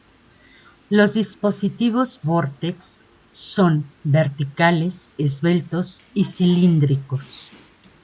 Los dispositivos Vortex son verticales, esbeltos y cilíndricos.